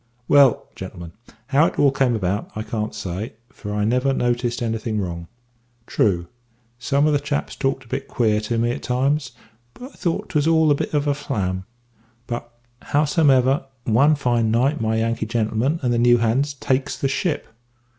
"Well, gentlemen, how it all came about, I can't say, for I never noticed anything wrong. True, some of the chaps talked a bit queer to me at times; but I thought 'twas all a bit of a flam; but, howsomever, one fine night my Yankee gentleman and the new hands takes the ship.